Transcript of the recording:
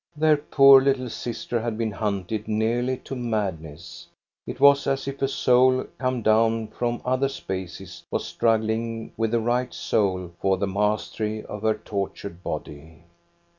Their poor little sister had been hunted nearly to madness. It was as if a soul come down from other spaces was struggling with the right soul for the mastery of her tortured body.